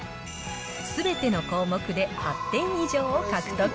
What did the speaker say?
すべての項目で８点以上を獲得。